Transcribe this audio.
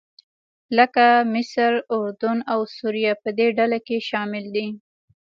لکه مصر، اردن او سوریه په دې ډله کې شامل دي.